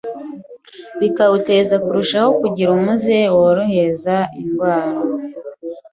bikawuteza kurushaho kugira umuze worohereza indwara.